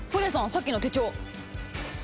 さっきの手帳！